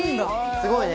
すごいね。